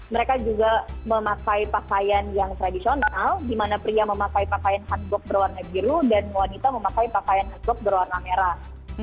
mereka juga memakai pakaian yang tradisional di mana pria memakai pakaian hanbok berwarna biru dan wanita memakai pakaian hardbox berwarna merah